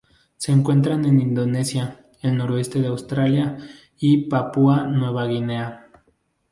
Se encuentran en Indonesia, el noroeste de Australia y Papúa Nueva Guinea.